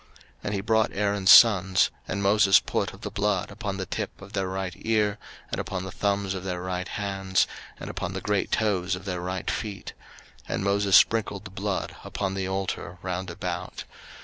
03:008:024 And he brought Aaron's sons, and Moses put of the blood upon the tip of their right ear, and upon the thumbs of their right hands, and upon the great toes of their right feet: and Moses sprinkled the blood upon the altar round about.